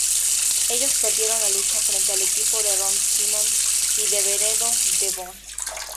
Ellos perdieron la lucha frente al equipo de Ron Simmons y Reverendo D-Von.